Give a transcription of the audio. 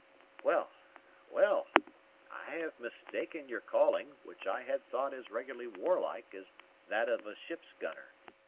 "Well, well; I have mistaken your calling, which I had thought as regularly warlike as that of a ship's gunner.